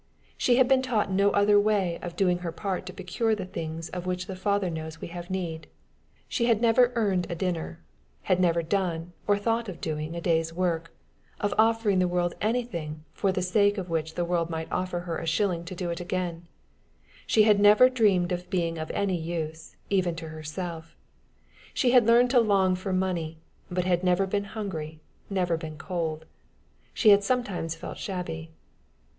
She had been taught no other way of doing her part to procure the things of which the Father knows we have need. She had never earned a dinner; had never done or thought of doing a day's work of offering the world anything for the sake of which the world might offer her a shilling to do it again; she had never dreamed of being of any use, even to herself; she had learned to long for money, but had never been hungry, never been cold: she had sometimes felt shabby.